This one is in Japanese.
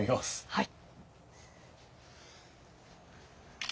はい。